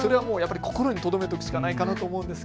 心にとどめておくしかないかと思います。